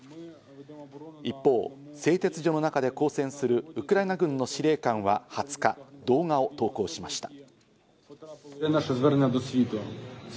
一方、製鉄所の中で抗戦するウクライナ軍の司令官は２０日、動画を投稿しました。